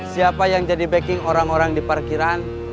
siapa yang jadi backing orang orang di parkiran